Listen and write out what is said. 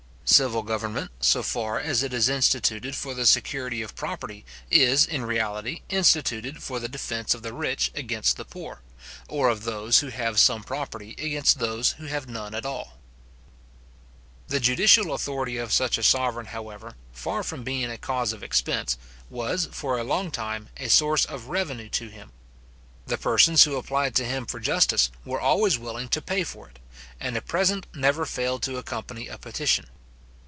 Civil government, so far as it is instituted for the security of property, is, in reality, instituted for the defence of the rich against the poor, or of those who have some property against those who have none at all. The judicial authority of such a sovereign, however, far from being a cause of expense, was, for a long time, a source of revenue to him. The persons who applied to him for justice were always willing to pay for it, and a present never failed to accompany a petition.